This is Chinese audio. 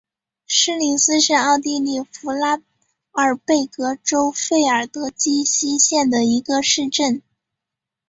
施林斯是奥地利福拉尔贝格州费尔德基希县的一个市镇。